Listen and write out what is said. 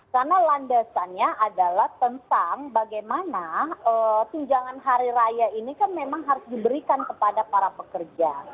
karena landasannya adalah tentang bagaimana tunjangan hari raya ini kan memang harus diberikan kepada para pekerja